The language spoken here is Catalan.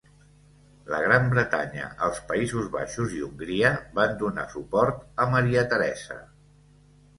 La Gran Bretanya, els Països Baixos i Hongria van donar suport a Maria Teresa.